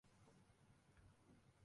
東京都奥多摩町